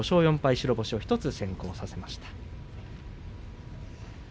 白星を１つ先行させました。